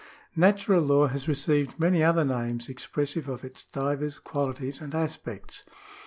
Natural law has received many other names expressive of its divers qualities and aspects.